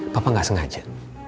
papa gak sengaja